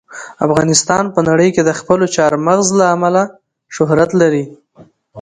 افغانستان په نړۍ کې د خپلو چار مغز له امله شهرت لري.